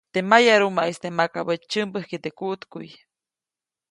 Teʼ mayarumaʼiste makabäʼ tsyämbäjkye teʼ kuʼtkuʼy.